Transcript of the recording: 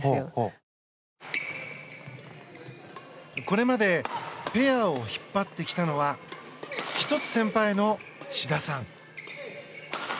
これまでペアを引っ張ってきたのは１つ先輩の志田さん。